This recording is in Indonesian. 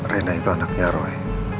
rena itu anaknya roy